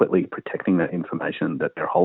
untuk memperlindungi informasi yang mereka simpan